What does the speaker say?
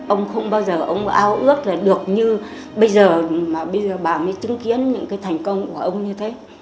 ông không bao giờ ông ao ước là được như bây giờ mà bây giờ bà mới chứng kiến những cái thành công của ông như thế